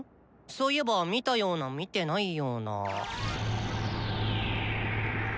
そういえば見たような見てないような。